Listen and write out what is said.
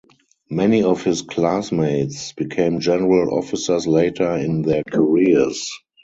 Many of his classmates became general officers later in their careers.